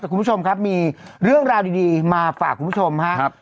คุณผู้ชมครับมีเรื่องราวดีมาฝากคุณผู้ชมครับ